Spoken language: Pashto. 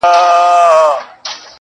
احوال یې کښلی زموږ د ښار دی -